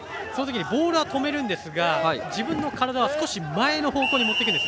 ボールは止めるんですが自分の体は前のほうに持っていくんです。